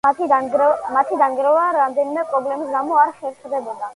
მათი დანერგვა რამდენიმე პრობლემის გამო არ ხერხდებოდა.